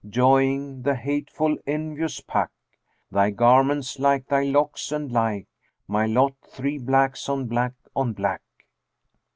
* Joying the hateful envious pack? Thy garment's like thy locks and like * My lot, three blacks on black on black.'"